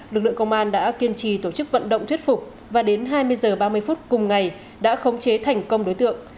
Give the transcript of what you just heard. lực lượng công an đã kiên trì tổ chức vận động thuyết phục và đến hai mươi h ba mươi phút cùng ngày đã khống chế thành công đối tượng